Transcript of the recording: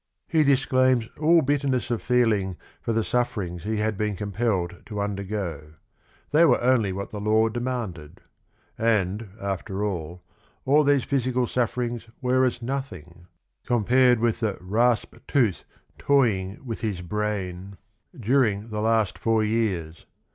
He disclaims all bitterness of feeling for the sufferings he had been compelled to undergo: they were only what the law demanded. And, after all, these physical sufferings were as nothing compared with the "rasp tooth toying with his COUNT GUIDO FRANCESCHINI 57 brain" during the last four years.